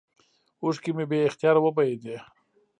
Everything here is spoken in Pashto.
اوښکې مې بې اختياره وبهېدې.